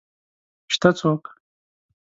شته څوک؟